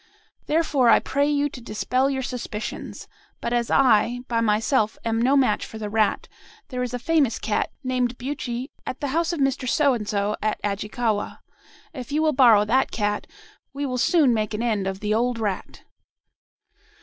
Therefore I pray you to dispel your suspicions. But as I, by myself, am no match for the rat, there is a famous cat, named Buchi, at the house of Mr. So and so, at Ajikawa: if you will borrow that cat, we will soon make an end of the old rat.'